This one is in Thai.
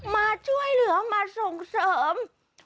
มาช่วยเหลือมาส่งเสริม